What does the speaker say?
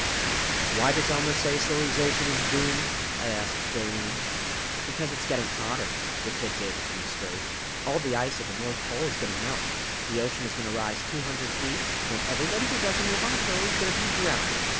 "Why does Elmer say silly zation is doomed?" I asked Doreen. "Because it's getting hotter." The kid gave it to me straight. "All the ice at the North Pole is gonna melt. The ocean is gonna rise two hundred feet. Then everybody who doesn't live on a hill is gonna be drownded.